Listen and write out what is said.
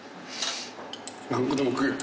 何個でも食える。